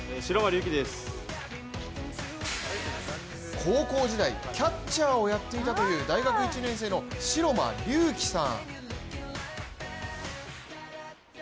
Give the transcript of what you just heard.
高校時代、キャッチャーをやっていたという大学１年生の城間琉祈さん。